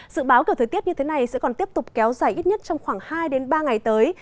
dự báo kiểu thời tiết như thế này sẽ còn tiếp tục kéo dài ít nhất trong khoảng hai ba ngày tới